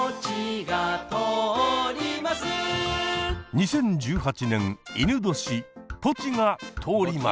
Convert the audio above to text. ２０１８年いぬ年「ポチが通ります」。